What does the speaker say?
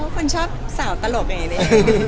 อ๋อคนชอบสาวตลกอย่างนี้